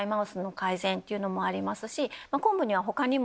昆布には他にも。